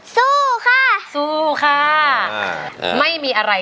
สู้ค่ะสู้ค่ะไม่มีอะไร